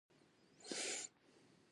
آیا میزان حق دی؟